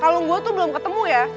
kalau gue tuh belum ketemu ya